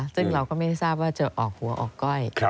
ซึ่งเราก็ไม่ได้ทราบว่าจะออกหัวออกก้อย